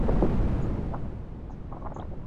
Ugali huu ni mtamu sana.